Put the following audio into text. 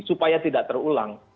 supaya tidak terulang